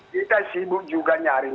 kita sibuk juga nyari